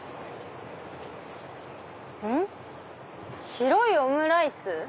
「白いオムライス」？